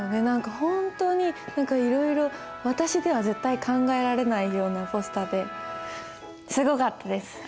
何か本当に何かいろいろ私では絶対考えられないようなポスターですごかったです！